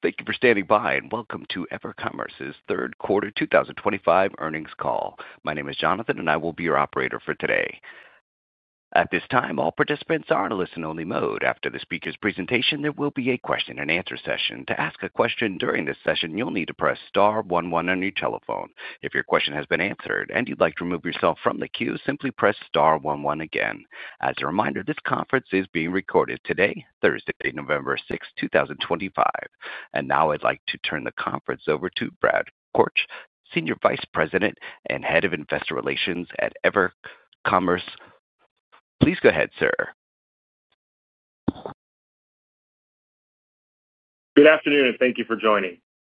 Thank you for standing by, and welcome to EverCommerce's third quarter 2025 earnings call. My name is Jonathan, and I will be your operator for today. At this time, all participants are in a listen-only mode. After the speaker's presentation, there will be a question-and-answer session. To ask a question during this session, you'll need to press star one one on your telephone. If your question has been answered and you'd like to remove yourself from the queue, simply press star one one again. As a reminder, this conference is being recorded today, Thursday, November 6, 2025. And now I'd like to turn the conference over to Brad Korch, Senior Vice President and Head of Investor Relations at EverCommerce. Please go ahead, sir. Good afternoon, and thank you for joining.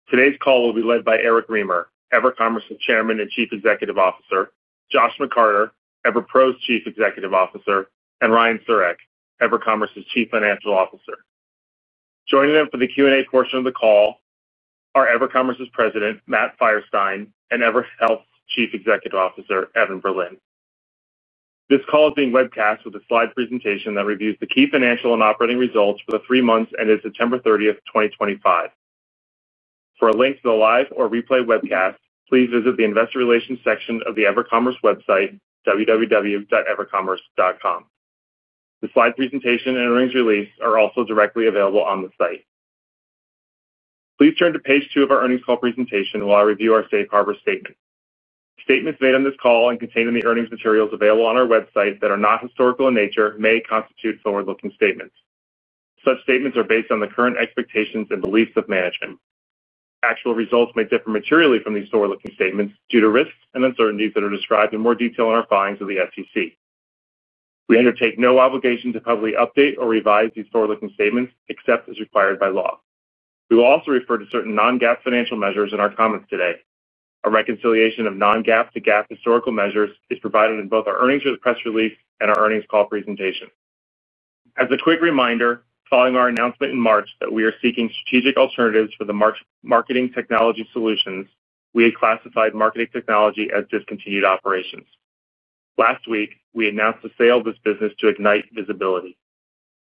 Today's call will be led by Eric Remer, EverCommerce's Chairman and Chief Executive Officer; Josh McCarter, EverPro Chief Executive Officer; and Ryan Siurek, EverCommerce's Chief Financial Officer. Joining them for the Q&A portion of the call. Are EverCommerce's President, Matt Feierstein, and EverHealth's Chief Executive Officer, Evan Berlin. This call is being webcast with a slide presentation that reviews the key financial and operating results for the three months ended September 30, 2025. For a link to the live or replay webcast, please visit the Investor Relations section of the EverCommerce website, www.evercommerce.com. The slide presentation and earnings release are also directly available on the site. Please turn to page two of our earnings call presentation while I review our safe harbor statement. Statements made on this call and contained in the earnings materials available on our website that are not historical in nature may constitute forward-looking statements. Such statements are based on the current expectations and beliefs of management. Actual results may differ materially from these forward-looking statements due to risks and uncertainties that are described in more detail in our findings of the SEC. We undertake no obligation to publicly update or revise these forward-looking statements except as required by law. We will also refer to certain Non-GAAP financial measures in our comments today. A reconciliation of Non-GAAP to GAAP historical measures is provided in both our earnings or the press release and our earnings call presentation. As a quick reminder, following our announcement in March that we are seeking strategic alternatives for the marketing technology solutions, we had classified marketing technology as discontinued operations. Last week, we announced the sale of this business to Ignite Visibility.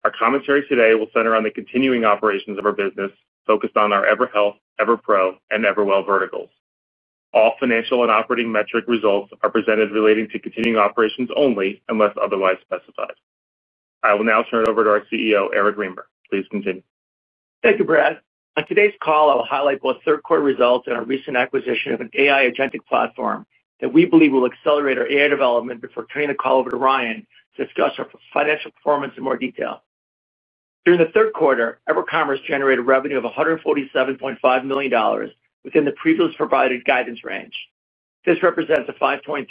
Our commentary today will center on the continuing operations of our business focused on our EverHealth, EverPro, and Everwell verticals. All financial and operating metric results are presented relating to continuing operations only unless otherwise specified. I will now turn it over to our CEO, Eric Remer. Please continue. Thank you, Brad. On today's call, I will highlight both third quarter results and our recent acquisition of an AI agentic platform that we believe will accelerate our AI development before turning the call over to Ryan to discuss our financial performance in more detail. During the third quarter, EverCommerce generated revenue of $147.5 million within the previously provided guidance range. This represents a 5.3%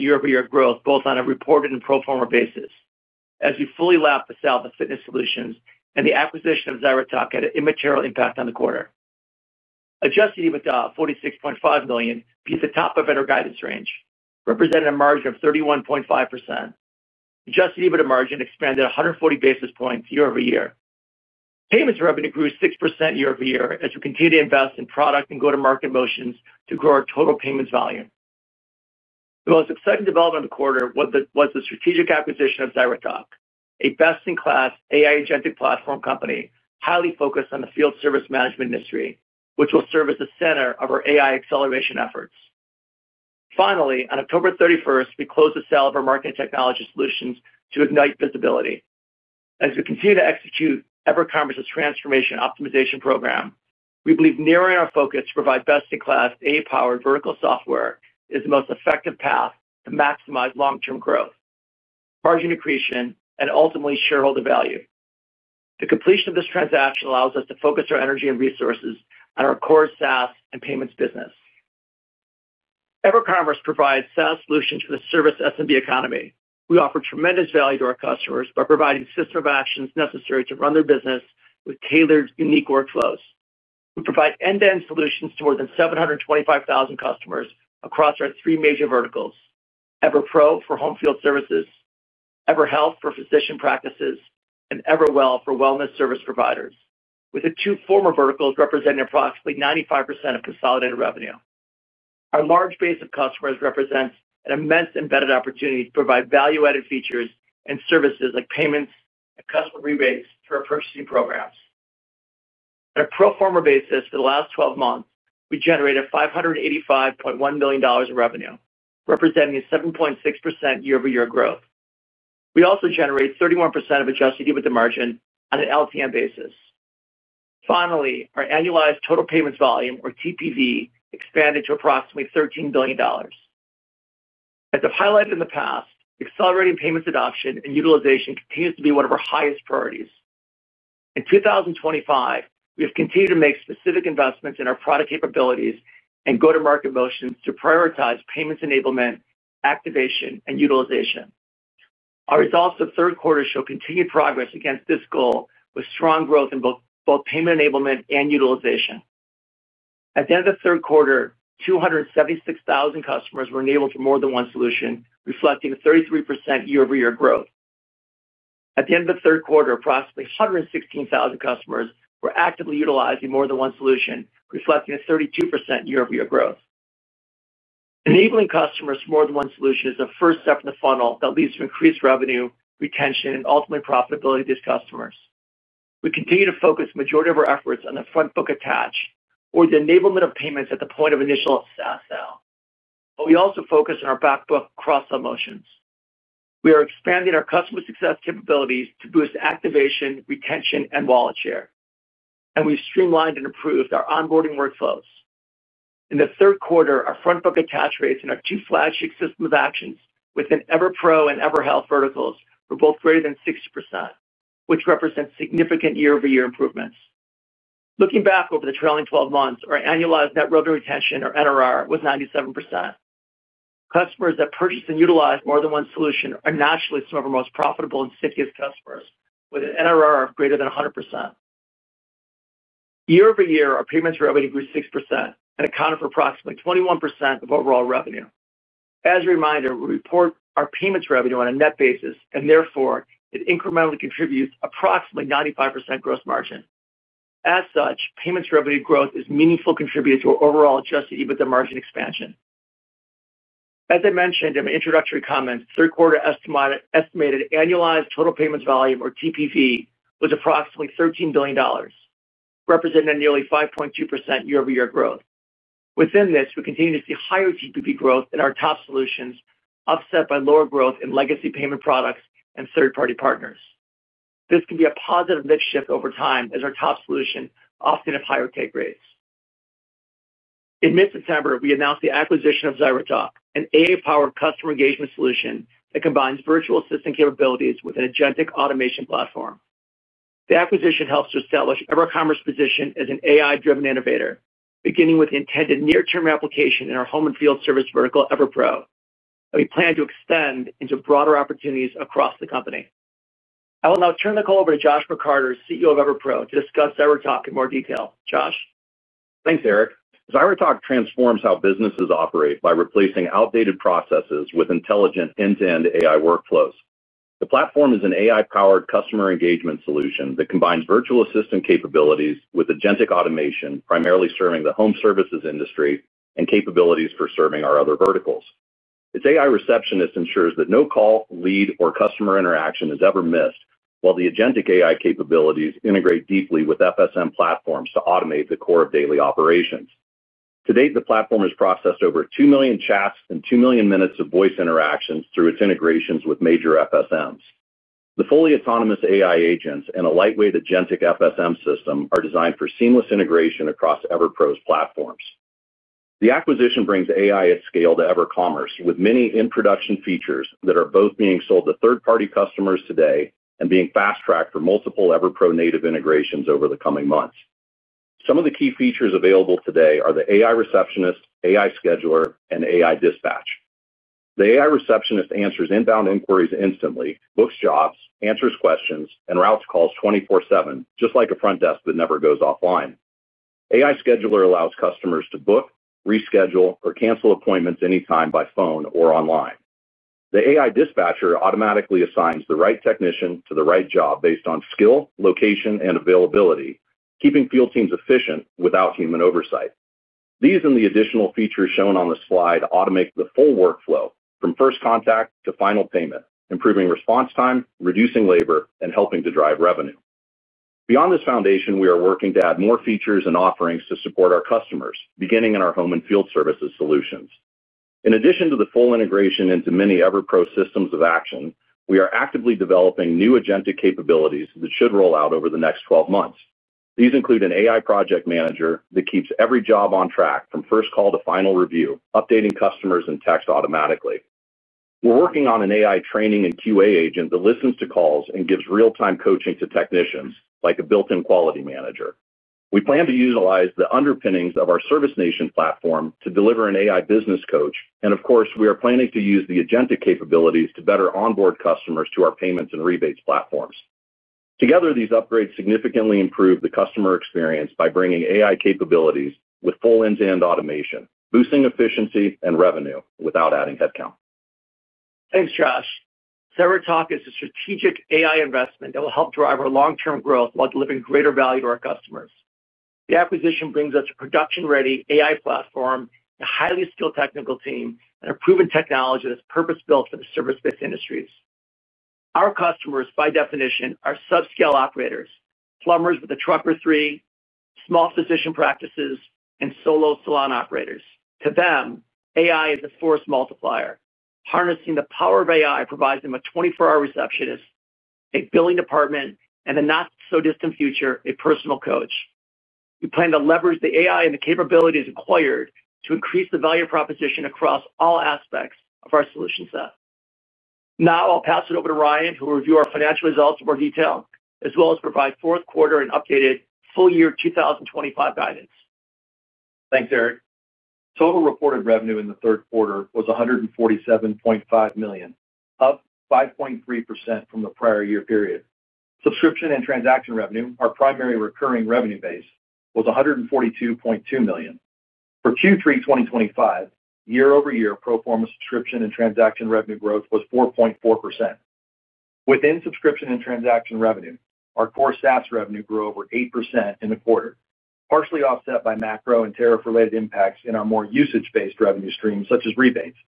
year-over-year growth both on a reported and pro forma basis as we fully lapped the sale of the fitness solutions and the acquisition of Zyratok had an immaterial impact on the quarter. Adjusted EBITDA of $46.5 million beat the top of our guidance range, representing a margin of 31.5%. Adjusted EBITDA margin expanded 140 basis points year-over-year. Payments revenue grew 6% year-over-year as we continue to invest in product and go-to-market motions to grow our total payments volume. The most exciting development of the quarter was the strategic acquisition of Zyratok, a best-in-class AI agentic platform company highly focused on the field service management industry, which will serve as the center of our AI acceleration efforts. Finally, on October 31, we closed the sale of our marketing technology solutions to Ignite Visibility. As we continue to execute EverCommerce's transformation optimization program, we believe narrowing our focus to provide best-in-class, AI-powered vertical software is the most effective path to maximize long-term growth, margin accretion, and ultimately shareholder value. The completion of this transaction allows us to focus our energy and resources on our core SaaS and payments business. EverCommerce provides SaaS solutions for the service SMB economy. We offer tremendous value to our customers by providing the system of actions necessary to run their business with tailored, unique workflows. We provide end-to-end solutions to more than 725,000 customers across our three major verticals: EverPro for home field services, EverHealth for physician practices, and Everwell for wellness service providers, with the two former verticals representing approximately 95% of consolidated revenue. Our large base of customers represents an immense embedded opportunity to provide value-added features and services like payments and customer rebates through our purchasing programs. On a pro forma basis, for the last 12 months, we generated $585.1 million in revenue, representing a 7.6% year-over-year growth. We also generate 31% of Adjusted EBITDA margin on an LTM basis. Finally, our annualized total payments volume, or TPV, expanded to approximately $13 billion. As I've highlighted in the past, accelerating payments adoption and utilization continues to be one of our highest priorities. In 2025, we have continued to make specific investments in our product capabilities and go-to-market motions to prioritize payments enablement, activation, and utilization. Our results of the third quarter show continued progress against this goal with strong growth in both payment enablement and utilization. At the end of the third quarter, 276,000 customers were enabled for more than one solution, reflecting a 33% year-over-year growth. At the end of the third quarter, approximately 116,000 customers were actively utilizing more than one solution, reflecting a 32% year-over-year growth. Enabling customers for more than one solution is the first step in the funnel that leads to increased revenue, retention, and ultimately profitability to these customers. We continue to focus the majority of our efforts on the front book attached, or the enablement of payments at the point of initial SaaS sale. But we also focus on our back book cross-sell motions. We are expanding our customer success capabilities to boost activation, retention, and wallet share, and we've streamlined and improved our onboarding workflows. In the third quarter, our front book attach rates in our two flagship systems of actions within EverPro and EverHealth verticals were both greater than 60%, which represents significant year-over-year improvements. Looking back over the trailing 12 months, our annualized net revenue retention, or NRR, was 97%. Customers that purchase and utilize more than one solution are naturally some of our most profitable and savviest customers, with an NRR of greater than 100%. Year-over-year, our payments revenue grew 6% and accounted for approximately 21% of overall revenue. As a reminder, we report our payments revenue on a net basis, and therefore, it incrementally contributes approximately 95% gross margin. As such, payments revenue growth is a meaningful contributor to our overall Adjusted EBITDA margin expansion. As I mentioned in my introductory comments, the third quarter estimated annualized total payments volume, or TPV, was approximately $13 billion, representing a nearly 5.2% year-over-year growth. Within this, we continue to see higher TPV growth in our top solutions, offset by lower growth in legacy payment products and third-party partners. This can be a positive mix shift over time as our top solutions often have higher take rates. In mid-September, we announced the acquisition of Zyratok, an AI-powered customer engagement solution that combines virtual assistant capabilities with an agentic automation platform. The acquisition helps to establish EverCommerce's position as an AI-driven innovator, beginning with the intended near-term replication in our home and field service vertical, EverPro, that we plan to extend into broader opportunities across the company. I will now turn the call over to Josh McCarter, CEO of EverPro, to discuss Zyratok in more detail. Josh? Thanks, Eric. Zyratok transforms how businesses operate by replacing outdated processes with intelligent end-to-end AI workflows. The platform is an AI-powered customer engagement solution that combines virtual assistant capabilities with agentic automation, primarily serving the home services industry and capabilities for serving our other verticals. Its AI receptionist ensures that no call, lead, or customer interaction is ever missed, while the agentic AI capabilities integrate deeply with FSM platforms to automate the core of daily operations. To date, the platform has processed over 2 million chats and 2 million minutes of voice interactions through its integrations with major FSMs. The fully autonomous AI agents and a lightweight agentic FSM system are designed for seamless integration across EverPro's platforms. The acquisition brings AI at scale to EverCommerce with many in-production features that are both being sold to third-party customers today and being fast-tracked for multiple EverPro native integrations over the coming months. Some of the key features available today are the AI receptionist, AI scheduler, and AI dispatch. The AI receptionist answers inbound inquiries instantly, books jobs, answers questions, and routes calls 24/7, just like a front desk that never goes offline. AI scheduler allows customers to book, reschedule, or cancel appointments anytime by phone or online. The AI dispatcher automatically assigns the right technician to the right job based on skill, location, and availability, keeping field teams efficient without human oversight. These and the additional features shown on the slide automate the full workflow from first contact to final payment, improving response time, reducing labor, and helping to drive revenue. Beyond this foundation, we are working to add more features and offerings to support our customers, beginning in our home and field services solutions. In addition to the full integration into many EverPro systems of action, we are actively developing new agentic capabilities that should roll out over the next 12 months. These include an AI project manager that keeps every job on track from first call to final review, updating customers and text automatically. We're working on an AI training and QA agent that listens to calls and gives real-time coaching to technicians, like a built-in quality manager. We plan to utilize the underpinnings of our Service Nation platform to deliver an AI business coach. Of course, we are planning to use the agentic capabilities to better onboard customers to our payments and rebates platforms. Together, these upgrades significantly improve the customer experience by bringing AI capabilities with full end-to-end automation, boosting efficiency and revenue without adding headcount. Thanks, Josh. Zyratok is a strategic AI investment that will help drive our long-term growth while delivering greater value to our customers. The acquisition brings us a production-ready AI platform, a highly skilled technical team, and a proven technology that's purpose-built for the service-based industries. Our customers, by definition, are subscale operators: plumbers with a trucker three, small physician practices, and solo salon operators. To them, AI is a force multiplier. Harnessing the power of AI provides them a 24-hour receptionist, a billing department, and in the not-so-distant future, a personal coach. We plan to leverage the AI and the capabilities acquired to increase the value proposition across all aspects of our solution set. Now, I'll pass it over to Ryan, who will review our financial results in more detail, as well as provide fourth quarter and updated full year 2025 guidance. Thanks, Eric. Total reported revenue in the third quarter was 147.5 million, up 5.3% from the prior year period. Subscription and transaction revenue, our primary recurring revenue base, was 142.2 million. For Q3 2025, year-over-year, pro forma subscription and transaction revenue growth was 4.4%. Within subscription and transaction revenue, our core SaaS revenue grew over 8% in the quarter, partially offset by macro and tariff-related impacts in our more usage-based revenue stream, such as rebates,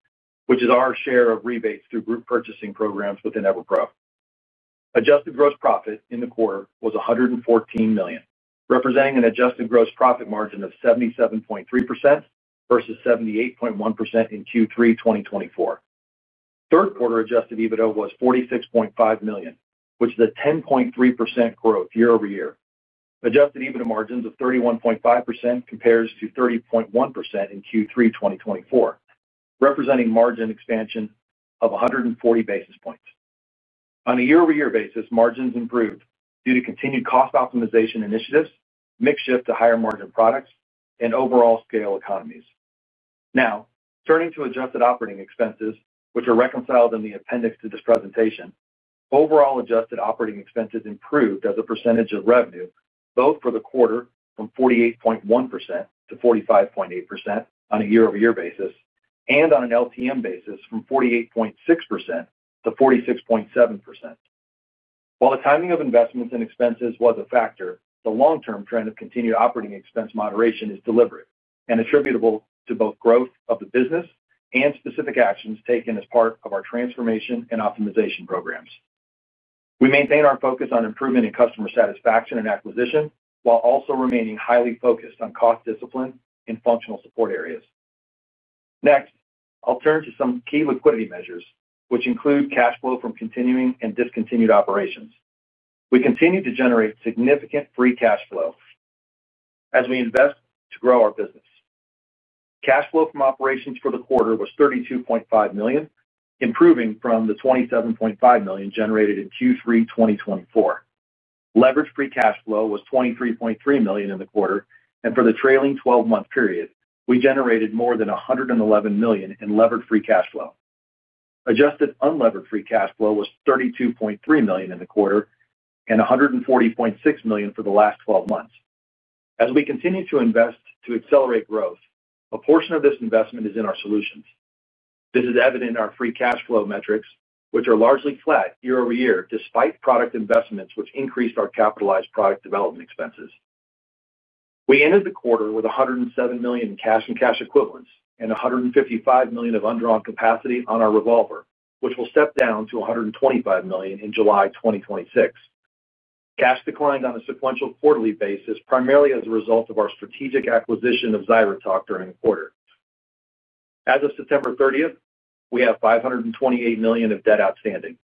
which is our share of rebates through group purchasing programs within EverPro. Adjusted gross profit in the quarter was 114 million, representing an adjusted gross profit margin of 77.3% versus 78.1% in Q3 2024. Third quarter Adjusted EBITDA was 46.5 million, which is a 10.3% growth year-over-year. Adjusted EBITDA margins of 31.5% compare to 30.1% in Q3 2024, representing margin expansion of 140 basis points. On a year-over-year basis, margins improved due to continued cost optimization initiatives, mix shift to higher margin products, and overall scale economies. Now, turning to adjusted operating expenses, which are reconciled in the appendix to this presentation, overall adjusted operating expenses improved as a percentage of revenue, both for the quarter from 48.1% to 45.8% on a year-over-year basis and on an LTM basis from 48.6% to 46.7%. While the timing of investments and expenses was a factor, the long-term trend of continued operating expense moderation is deliberate and attributable to both growth of the business and specific actions taken as part of our transformation and optimization programs. We maintain our focus on improvement in customer satisfaction and acquisition while also remaining highly focused on cost discipline in functional support areas. Next, I'll turn to some key liquidity measures, which include cash flow from continuing and discontinued operations. We continue to generate significant free cash flow. As we invest to grow our business. Cash flow from operations for the quarter was 32.5 million, improving from the 27.5 million generated in Q3 2024. Leveraged free cash flow was 23.3 million in the quarter. And for the trailing 12-month period, we generated more than 111 million in leveraged free cash flow. Adjusted unleveraged free cash flow was 32.3 million in the quarter and 140.6 million for the last 12 months. As we continue to invest to accelerate growth, a portion of this investment is in our solutions. This is evident in our free cash flow metrics, which are largely flat year-over-year despite product investments, which increased our capitalized product development expenses. We ended the quarter with 107 million in cash and cash equivalents and 155 million of undrawn capacity on our revolver, which will step down to 125 million in July 2026. Cash declined on a sequential quarterly basis, primarily as a result of our strategic acquisition of Zyratok during the quarter. As of September 30th, we have 528 million of debt outstanding.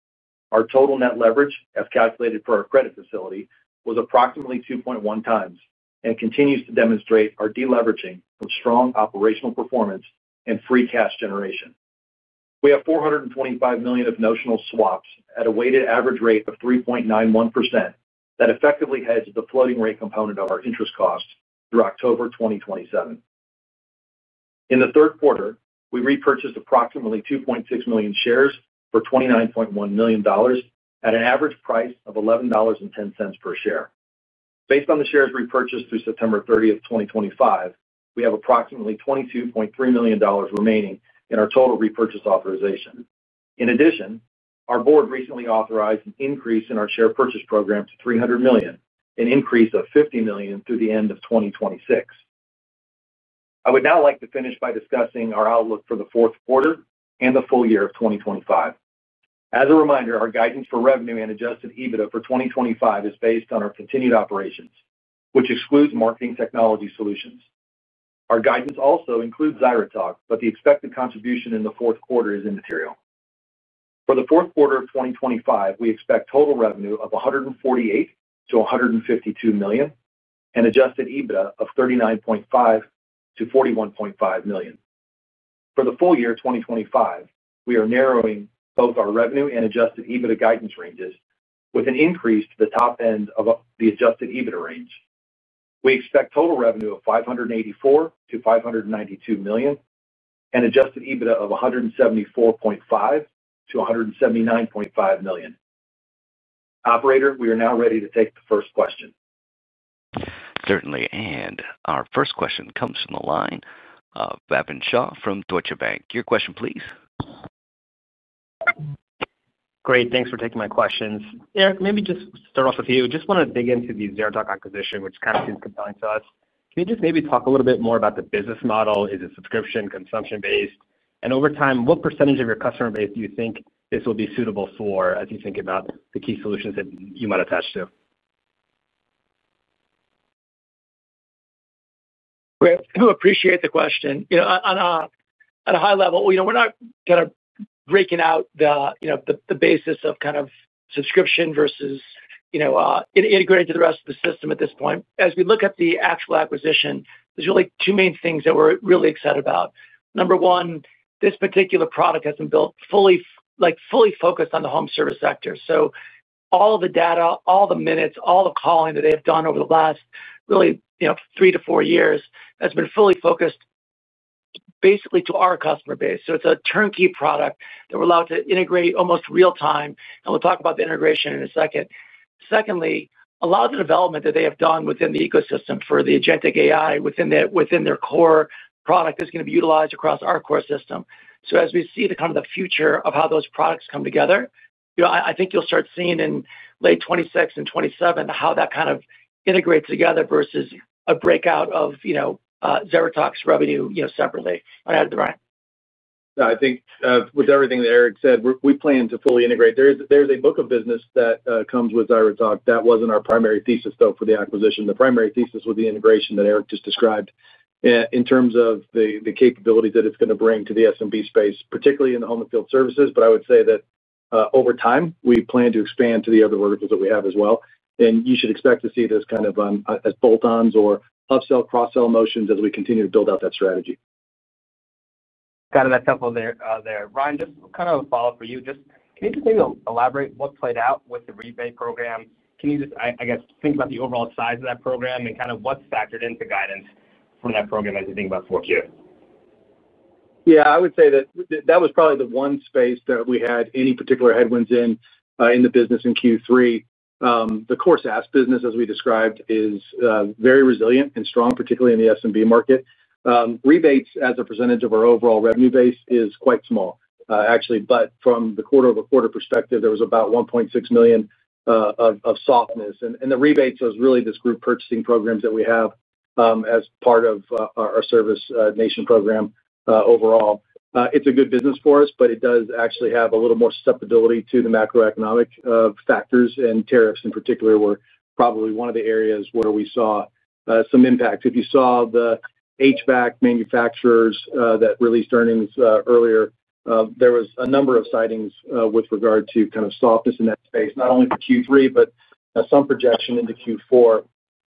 Our total net leverage, as calculated for our credit facility, was approximately 2.1 times and continues to demonstrate our deleveraging with strong operational performance and free cash generation. We have 425 million of notional swaps at a weighted average rate of 3.91% that effectively heads the floating rate component of our interest costs through October 2027. In the third quarter, we repurchased approximately 2.6 million shares for $29.1 million at an average price of $11.10 per share. Based on the shares repurchased through September 30th, 2025, we have approximately $22.3 million remaining in our total repurchase authorization. In addition, our board recently authorized an increase in our share purchase program to 300 million, an increase of 50 million through the end of 2026. I would now like to finish by discussing our outlook for the fourth quarter and the full year of 2025. As a reminder, our guidance for revenue and Adjusted EBITDA for 2025 is based on our continued operations, which excludes marketing technology solutions. Our guidance also includes Zyratok, but the expected contribution in the fourth quarter is immaterial. For the fourth quarter of 2025, we expect total revenue of 148 million-152 million and Adjusted EBITDA of 39.5 million-41.5 million. For the full year 2025, we are narrowing both our revenue and Adjusted EBITDA guidance ranges with an increase to the top end of the Adjusted EBITDA range. We expect total revenue of 584 million-592 million and Adjusted EBITDA of 174.5 million-179.5 million. Operator, we are now ready to take the first question. Certainly. And our first question comes from the line of [Evan Shaw] from Deutsche Bank. Your question, please. Great. Thanks for taking my questions. Eric, maybe just start off with you. Just want to dig into the Zyratok acquisition, which kind of seems compelling to us. Can you just maybe talk a little bit more about the business model? Is it subscription, consumption-based? And over time, what percentage of your customer base do you think this will be suitable for as you think about the key solutions that you might attach to? Great. I appreciate the question. On a high level, we're not kind of breaking out the basis of kind of subscription versus. Integrated to the rest of the system at this point. As we look at the actual acquisition, there's really two main things that we're really excited about. Number one, this particular product has been built fully focused on the home service sector. So all the data, all the minutes, all the calling that they have done over the last really three to four years has been fully focused. Basically to our customer base. So it's a turnkey product that we're allowed to integrate almost real-time. And we'll talk about the integration in a second. Secondly, a lot of the development that they have done within the ecosystem for the agentic AI within their core product is going to be utilized across our core system. So as we see kind of the future of how those products come together, I think you'll start seeing in late 2026 and 2027 how that kind of integrates together versus a breakout of. Zyratok's revenue separately. Go ahead, Ryan. Yeah. I think with everything that Eric said, we plan to fully integrate. There's a book of business that comes with Zyratok. That wasn't our primary thesis, though, for the acquisition. The primary thesis was the integration that Eric just described in terms of the capabilities that it's going to bring to the SMB space, particularly in the home and field services. But I would say that over time, we plan to expand to the other verticals that we have as well. And you should expect to see this kind of as bolt-ons or upsell, cross-sell motions as we continue to build out that strategy. Got it. That's helpful there. Ryan, just kind of a follow-up for you. Just can you just maybe elaborate what played out with the rebate program? Can you just, I guess, think about the overall size of that program and kind of what's factored into guidance for that program as you think about 4Q? Yeah. I would say that that was probably the one space that we had any particular headwinds in in the business in Q3. The core SaaS business, as we described, is very resilient and strong, particularly in the SMB market. Rebates as a percentage of our overall revenue base is quite small, actually. But from the quarter-over-quarter perspective, there was about 1.6 million. Of softness. And the rebates was really this group purchasing program that we have as part of our Service Nation program overall. It's a good business for us, but it does actually have a little more susceptibility to the macroeconomic factors. And tariffs, in particular, were probably one of the areas where we saw some impact. If you saw the HVAC manufacturers that released earnings earlier, there was a number of sightings with regard to kind of softness in that space, not only for Q3, but some projection into Q4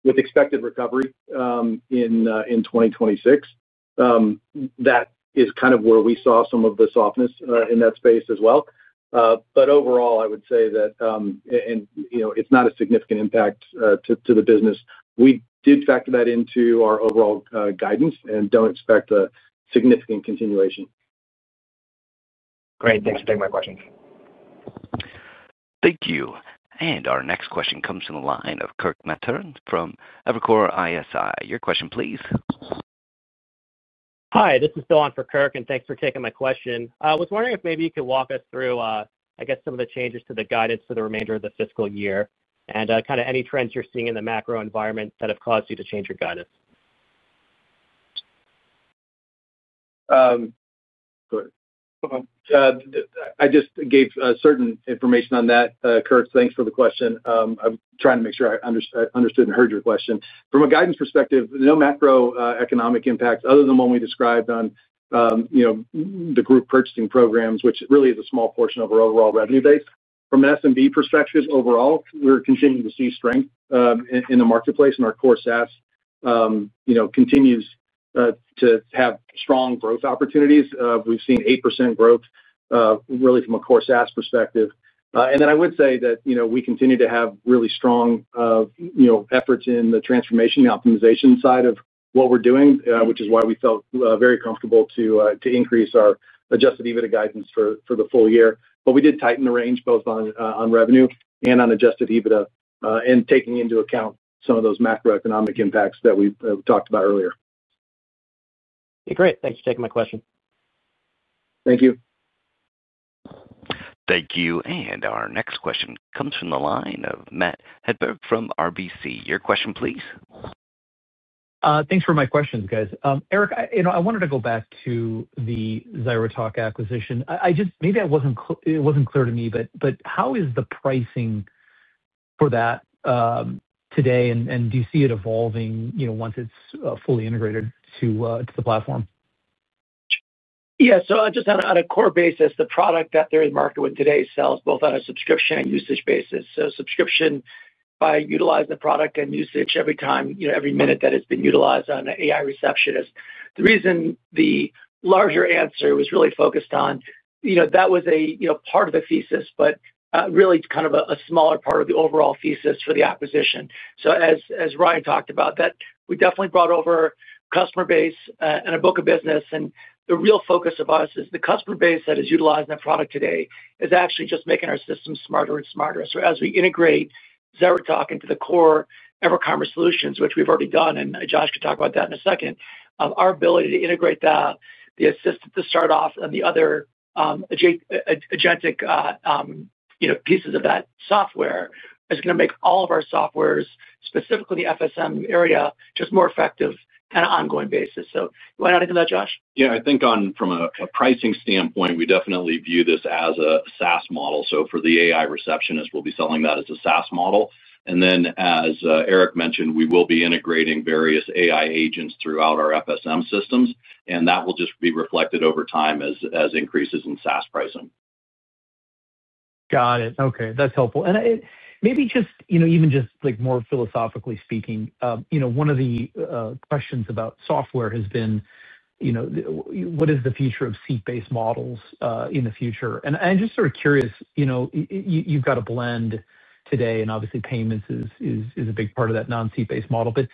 with expected recovery in 2026. That is kind of where we saw some of the softness in that space as well. But overall, I would say that. It's not a significant impact to the business. We did factor that into our overall guidance and don't expect a significant continuation. Great. Thanks for taking my questions. Thank you. And our next question comes from the line of Kirk Materne from Evercore ISI. Your question, please. Hi. This is Phil on for Kirk, and thanks for taking my question. I was wondering if maybe you could walk us through, I guess, some of the changes to the guidance for the remainder of the fiscal year and kind of any trends you're seeing in the macro environment that have caused you to change your guidance. Go ahead. Go ahead. I just gave certain information on that. Kirk, thanks for the question. I'm trying to make sure I understood and heard your question. From a guidance perspective, no macroeconomic impacts other than what we described on. The group purchasing programs, which really is a small portion of our overall revenue base. From an SMB perspective, overall, we're continuing to see strength in the marketplace, and our core SaaS. Continues to have strong growth opportunities. We've seen 8% growth really from a core SaaS perspective. And then I would say that we continue to have really strong. Efforts in the transformation and optimization side of what we're doing, which is why we felt very comfortable to increase our Adjusted EBITDA guidance for the full year. But we did tighten the range both on revenue and on Adjusted EBITDA and taking into account some of those macroeconomic impacts that we talked about earlier. Okay. Great. Thanks for taking my question. Thank you. Thank you. And our next question comes from the line of Matt Hedberg from RBC. Your question, please. Thanks for my questions, guys. Eric, I wanted to go back to the Zyratok acquisition. Maybe it wasn't clear to me, but how is the pricing. For that. Today? And do you see it evolving once it's fully integrated to the platform? Yeah. So just on a core basis, the product that they're in the market with today sells both on a subscription and usage basis. So subscription. By utilizing the product and usage every time, every minute that it's been utilized on an AI receptionist. The reason the larger answer was really focused on. That was a part of the thesis, but really kind of a smaller part of the overall thesis for the acquisition. So as Ryan talked about, we definitely brought over customer base and a book of business. And the real focus of us is the customer base that is utilizing that product today is actually just making our system smarter and smarter. So as we integrate Zyratok into the core EverCommerce solutions, which we've already done, and Josh can talk about that in a second, our ability to integrate the. Assistant to start off and the other. Agentic. Pieces of that software is going to make all of our softwares, specifically the FSM area, just more effective on an ongoing basis. So do you want to add anything to that, Josh? Yeah. I think from a pricing standpoint, we definitely view this as a SaaS model. So for the AI receptionist, we'll be selling that as a SaaS model. And then, as Eric mentioned, we will be integrating various AI agents throughout our FSM systems. And that will just be reflected over time as increases in SaaS pricing. Got it. Okay. That's helpful. And maybe just even just more philosophically speaking, one of the questions about software has been. What is the future of seat-based models in the future? And I'm just sort of curious. You've got a blend today, and obviously, payments is a big part of that non-seat-based model. But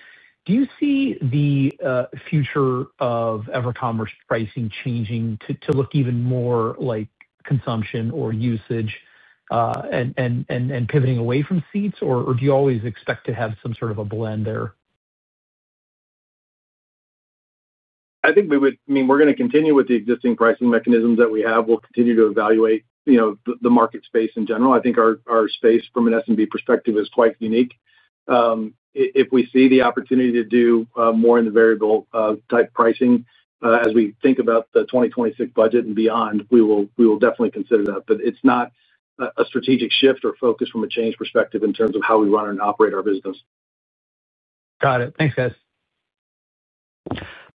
do you see the future of EverCommerce pricing changing to look even more like consumption or usage. And pivoting away from seats, or do you always expect to have some sort of a blend there? I think we would, I mean, we're going to continue with the existing pricing mechanisms that we have. We'll continue to evaluate the market space in general. I think our space from an SMB perspective is quite unique. If we see the opportunity to do more in the variable type pricing as we think about the 2026 budget and beyond, we will definitely consider that. But it's not a strategic shift or focus from a change perspective in terms of how we run and operate our business. Got it. Thanks, guys.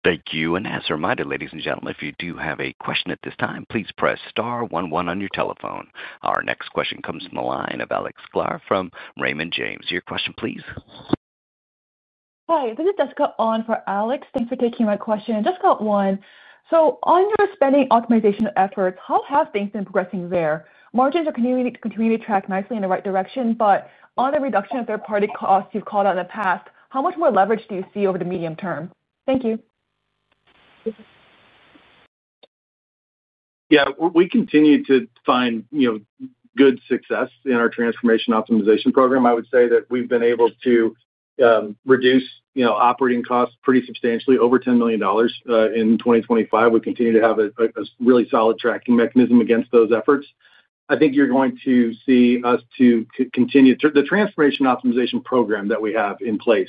Thank you. And as a reminder, ladies and gentlemen, if you do have a question at this time, please press star one one on your telephone. Our next question comes from the line of [Alex Sklar] from Raymond James. Your question, please. Hi. This is Jessica on for Alex. Thanks for taking my question. Jessica On, so on your spending optimization efforts, how have things been progressing there? Margins are continuing to track nicely in the right direction, but on the reduction of third-party costs you've called out in the past, how much more leverage do you see over the medium term? Thank you. Yeah. We continue to find. Good success in our transformation optimization program. I would say that we've been able to. Reduce operating costs pretty substantially over $10 million in 2025. We continue to have a really solid tracking mechanism against those efforts. I think you're going to see us to continue the transformation optimization program that we have in place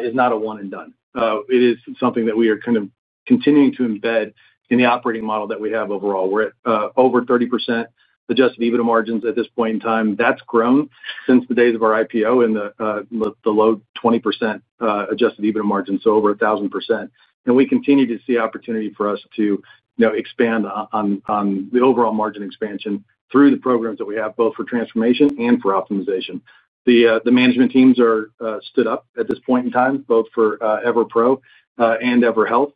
is not a one-and-done. It is something that we are kind of continuing to embed in the operating model that we have overall. We're at over 30% Adjusted EBITDA margins at this point in time. That's grown since the days of our IPO and the low 20% Adjusted EBITDA margin, so over 1,000%. And we continue to see opportunity for us to. Expand on the overall margin expansion through the programs that we have, both for transformation and for optimization. The management teams are stood up at this point in time, both for EverPro and EverHealth.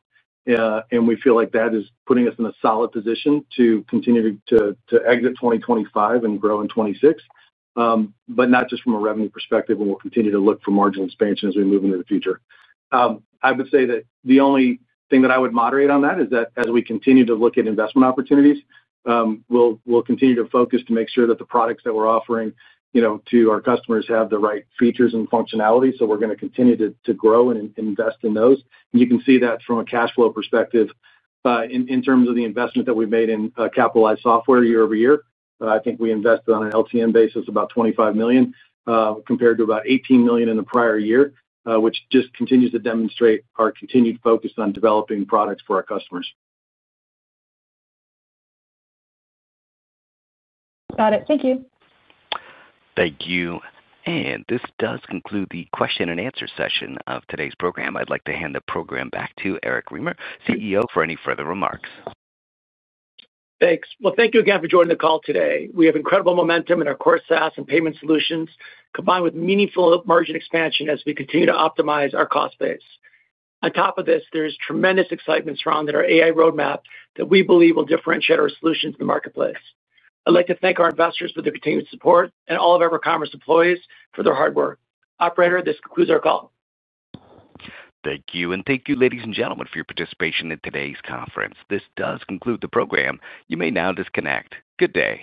And we feel like that is putting us in a solid position to continue to exit 2025 and grow in 2026. But not just from a revenue perspective, and we'll continue to look for margin expansion as we move into the future. I would say that the only thing that I would moderate on that is that as we continue to look at investment opportunities, we'll continue to focus to make sure that the products that we're offering to our customers have the right features and functionality. So we're going to continue to grow and invest in those. And you can see that from a cash flow perspective. In terms of the investment that we've made in capitalized software year-over-year. I think we invested on an LTM basis about 25 million, compared to about 18 million in the prior year, which just continues to demonstrate our continued focus on developing products for our customers. Got it. Thank you. Thank you. This does conclude the question-and-answer session of today's program. I'd like to hand the program back to Eric Remer, CEO, for any further remarks. Thanks. Well, thank you again for joining the call today. We have incredible momentum in our core SaaS and payment solutions combined with meaningful margin expansion as we continue to optimize our cost base. On top of this, there is tremendous excitement surrounding our AI roadmap that we believe will differentiate our solutions in the marketplace. I'd like to thank our investors for their continued support and all of EverCommerce employees for their hard work. Operator, this concludes our call. Thank you. And thank you, ladies and gentlemen, for your participation in today's conference. This does conclude the program. You may now disconnect. Good day.